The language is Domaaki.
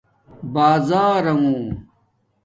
بازارونݣ